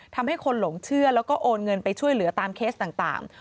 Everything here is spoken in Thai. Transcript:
ทำให้คนหลงเชื่อแล้วก็โอนเงินไปช่วยเหลือตามเคสต่าง